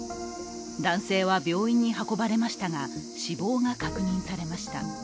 男性は病院に運ばれましたが、死亡が確認されました。